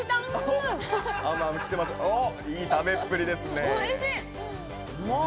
いい食べっぷりですね。